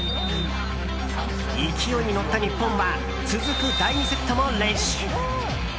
勢いに乗った日本は続く第２セットも連取。